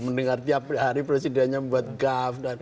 mendengar tiap hari presidennya membuat gaf